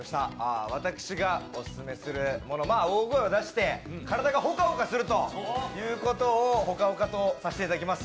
私がオススメするものは、大声を出して体がホカホカするということをホカホカとさせていただきます